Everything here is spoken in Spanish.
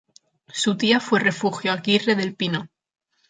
Su tía fue Refugio Aguirre del Pino.